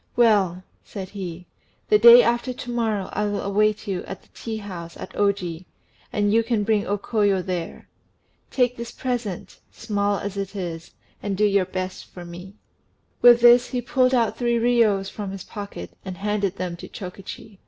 "Well," said he, "the day after to morrow I will await you at the tea house at Oji, and you can bring O Koyo there. Take this present, small as it is, and do your best for me." With this he pulled out three riyos from his pocket and handed them to Chokichi.